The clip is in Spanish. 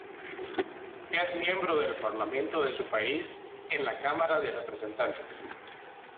Es miembro del Parlamento de su país, en la Cámara de Representantes.